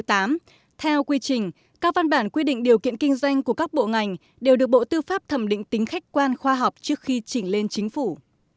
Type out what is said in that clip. theo quy trình các văn bản quy định điều kiện kinh doanh của các bộ ngành đều được bộ tư pháp thẩm định tính khách quan khoa học trước khi chỉnh lên chính phủ